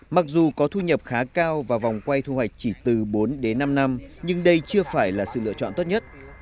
mặc dù có thu nhập khá cao và vòng quay thu hoạch chỉ từ bốn đến năm năm nhưng đây chưa phải là sự lựa chọn tốt nhất